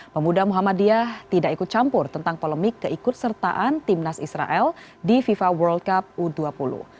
pemuda muhammadiyah tidak ikut campur tentang polemik keikut sertaan timnas israel di fifa world cup u dua puluh